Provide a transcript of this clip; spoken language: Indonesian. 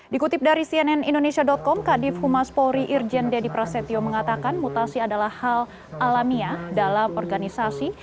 dikutip dari cnn indonesia com kadif humas polri irjen deddy prasetyo mengatakan mutasi adalah hal alamiah dalam organisasi